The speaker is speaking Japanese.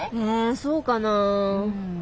えそうかなぁ。